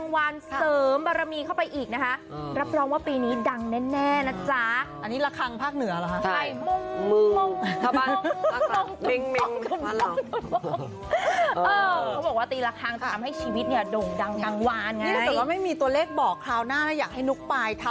สามร้อยเก้าบาทสามศูนย์เก้าก็สวยอยู่นะค่ะใช่ค่ะ